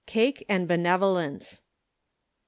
CAKE AND BENEVOLENCE. RS.